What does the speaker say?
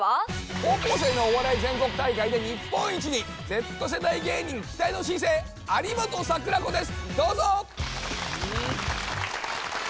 高校生のお笑い全国大会で日本一にＺ世代芸人期待の新星有元さくら子ですどうぞ！